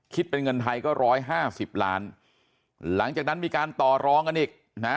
คิดเป็นเงินไทยก็๑๕๐ล้านหลังจากนั้นมีการต่อร้องกันอีกนะ